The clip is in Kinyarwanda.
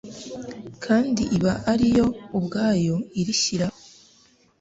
kandi iba ari yo ubwayo irishyiraho.